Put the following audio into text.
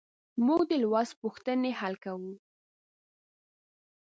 موږ د لوست پوښتنې حل کوو.